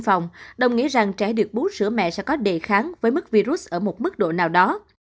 phòng đồng nghĩa rằng trẻ được bút sữa mẹ sẽ có đề kháng với mức virus ở một mức độ nào đó